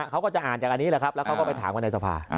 เขาก็จะอ่านจากอันนี้แหละครับแล้วเขาก็ไปถามกันในสภา